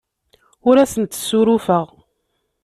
Ur asent-ssurufeɣ.